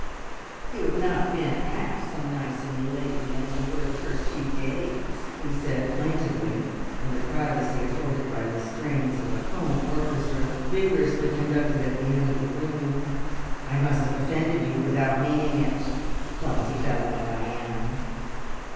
"You have not been half so nice to me lately as you were the first few days," he said plaintively in the privacy afforded by the strains of a comb orchestra vigorously conducted at the end of the room. "I must have offended you without meaning it; clumsy fellow that I am!"